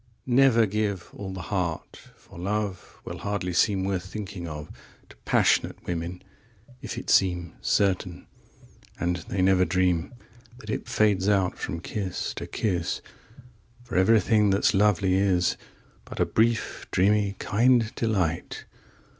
1Never give all the heart, for love2Will hardly seem worth thinking of3To passionate women if it seem4Certain, and they never dream5That it fades out from kiss to kiss;6For everything that's lovely is7But a brief, dreamy, kind delight.